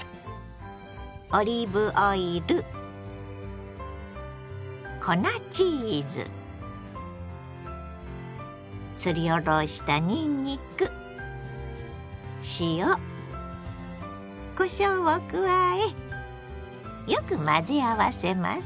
オリーブオイル粉チーズすりおろしたにんにく塩こしょうを加えよく混ぜ合わせます。